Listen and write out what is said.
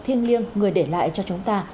thiên liêng người để lại cho chúng ta